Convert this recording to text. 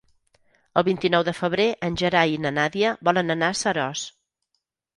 El vint-i-nou de febrer en Gerai i na Nàdia volen anar a Seròs.